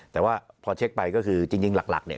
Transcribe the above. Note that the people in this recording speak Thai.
แต่ว่าพอเช็คไปก็คือจริงหลักเนี่ย